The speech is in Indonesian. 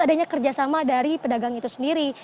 adanya kerjasama dari pedagang itu sendiri